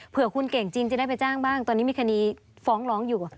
เพื่อคุณเก่งจริงจะได้ไปจ้างบ้างตอนนี้มีคดีฟ้องร้องอยู่